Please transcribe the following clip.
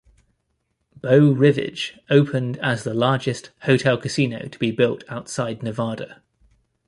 Beau Rivage opened as the largest hotel-casino to be built outside Nevada.